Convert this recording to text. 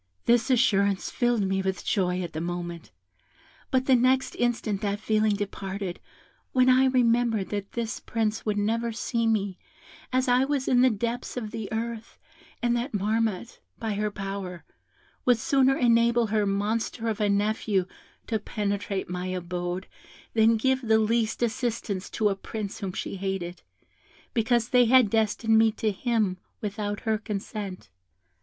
"This assurance filled me with joy at the moment; but the next instant that feeling departed, when I remembered that this Prince would never see me, as I was in the depths of the earth, and that Marmotte, by her power, would sooner enable her monster of a nephew to penetrate my abode than give the least assistance to a prince whom she hated, because they had destined me to him without her consent.